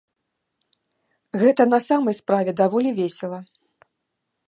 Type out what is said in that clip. Гэта на самай справе даволі весела.